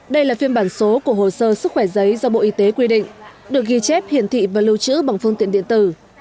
đây là phiên bản số của hồ sơ sức khỏe giấy do bộ y tế quy định được ghi chép hiển thị và lưu trữ bằng phương tiện điện tử